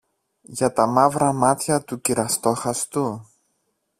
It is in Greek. Για τα μαύρα μάτια του κυρ-Αστόχαστου;